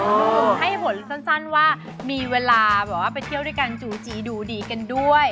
เห็นงี้ให้หิวซิ่นว่ามีเวลาไปเที่ยวด้วยกันจู๋จีดูดีกันด้วย